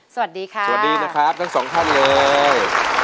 สวัสดีค่ะสวัสดีนะครับทั้งสองท่านเลย